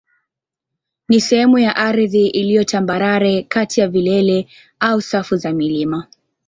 ni sehemu ya ardhi iliyo tambarare kati ya vilele au safu za milima.